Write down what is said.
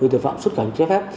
tội phạm xuất cảnh chế phép